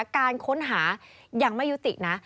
การค้นหายังไม่ยุตินะ